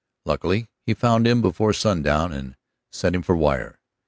Luckily he found him before sundown and sent him for wire.